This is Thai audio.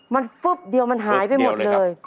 มันฟึ๊บเดียวมันหายไปหมดเลย